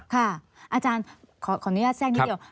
อาจารย์ขออนุญาตแทรกนิดเดียว